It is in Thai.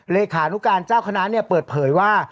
เลขานุการเจ้าคณะเปิดเผยว่า